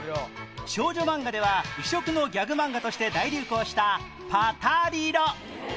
少女マンガでは異色のギャグマンガとして大流行した『パタリロ』